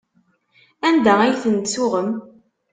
Anda ay tent-tuɣem?